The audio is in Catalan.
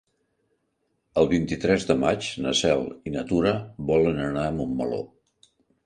El vint-i-tres de maig na Cel i na Tura volen anar a Montmeló.